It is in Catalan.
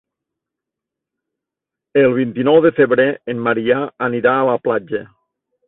El vint-i-nou de febrer en Maria anirà a la platja.